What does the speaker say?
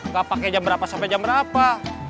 gak pakai jam berapa sampai jam berapa